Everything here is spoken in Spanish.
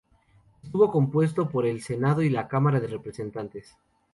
Estuvo compuesto por el Senado y la Cámara de Representantes.